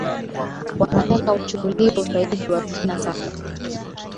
wanataka uchukuliwe ushaidi wa vina saba